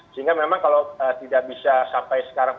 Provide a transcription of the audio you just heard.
sehingga memang kalau tidak bisa sampai sekarang